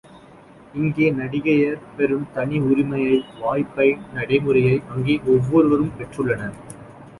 இங்கே நடிகையர் பெறும் தனி உரிமையை, வாய்ப்பை, நடைமுறையை அங்கே ஒவ்வொருவரும் பெற்றுள்ளனர்.